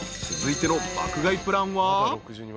続いての爆買いプランは？］